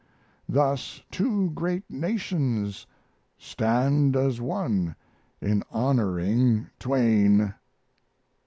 Thus two great nations stand as one In honoring Twain.